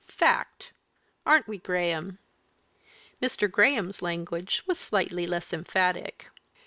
Fact! aren't we, Graham?" Mr. Graham's language was slightly less emphatic.